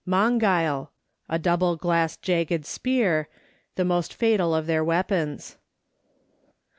Mongile, a double glass jagged spear, the most fatal of their weapons.